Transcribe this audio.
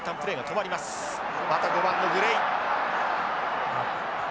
また５番のグレイ。